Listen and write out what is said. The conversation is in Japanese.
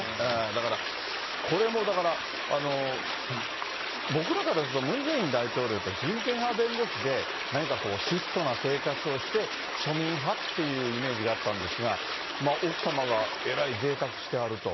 だからこれも、だから僕らからすると、ムン・ジェイン大統領って人権派弁護士で、何かこう、質素な生活をして、庶民派っていうイメージがあったんですが、奥様がえらいぜいたくしてはると。